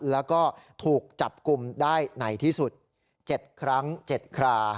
แล้วก็ถูกจับกลุ่มได้ไหนที่สุดเจ็ดครั้งเจ็ดคลา